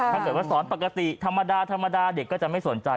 ถ้าเกิดว่าสอนปกติธรรมดาธรรมดาเด็กก็จะไม่สนใจ